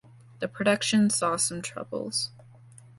The production saw some troubles.